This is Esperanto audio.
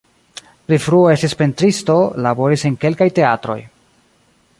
Pli frue estis pentristo, laboris en kelkaj teatroj.